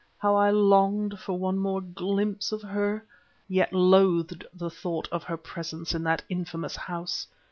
How I longed for one more glimpse of her, yet loathed the thought of her presence in that infamous house.